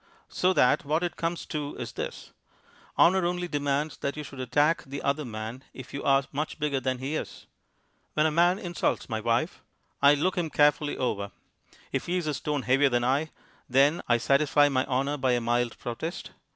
"So that what it comes to is this. Honour only demands that you should attack the other man if you are much bigger than he is. When a man insults my wife, I look him carefully over; if he is a stone heavier than I, then I satisfy my honour by a mild protest.